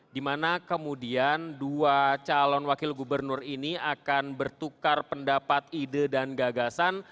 dimana kemudian dua calon wakil gubernur ini akan bertukar pendapat ide dan gagasan